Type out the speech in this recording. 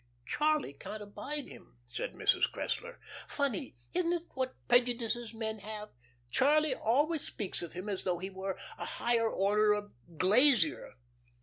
"Charlie can't abide him," said Mrs. Cressler. "Funny, isn't it what prejudices men have? Charlie always speaks of him as though he were a higher order of glazier.